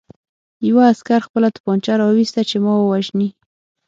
یوه عسکر خپله توپانچه را وویسته چې ما ووژني